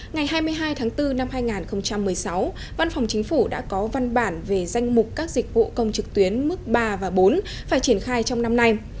ngày hai mươi hai tháng bốn năm hai nghìn một mươi sáu văn phòng chính phủ đã có văn bản về danh mục các dịch vụ công trực tuyến mức ba và bốn phải triển khai trong năm nay